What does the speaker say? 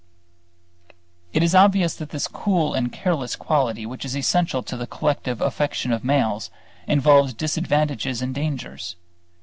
It is obvious that this cool and careless quality which is essential to the collective affection of males involves disadvantages and dangers.